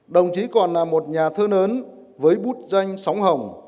đồng chí còn là một nhà thơ lớn với bút danh sóng hồng